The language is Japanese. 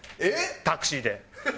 タクシーで。